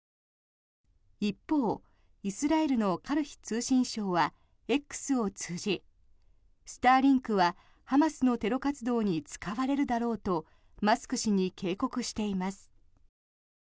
一方、イスラエルのカルヒ通信相はＸを通じスターリンクはハマスのテロ活動に使われるだろうとマスク氏に警告しています。